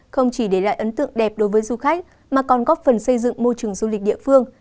không chỉ để lại ấn tượng đẹp đối với du khách mà còn góp phần xây dựng môi trường du lịch địa phương